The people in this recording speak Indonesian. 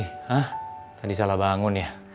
ah tadi salah bangun ya